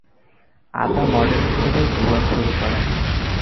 আদা মডেল হিসেবে জীবন শুরু করেন।